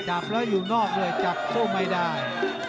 จับแล้วอยู่นอกเลยจับโต้ไม่ได้